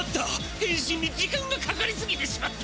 へん身に時間がかかりすぎてしまった！